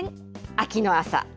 秋の朝。